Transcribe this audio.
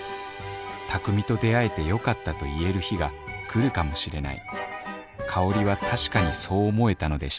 卓海と出会えて良かったと言える日が来るかもしれない。